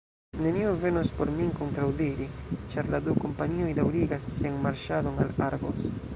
Neniu venos por min kontraŭdiri, ĉar la du kompanioj daŭrigas sian marŝadon al Argos.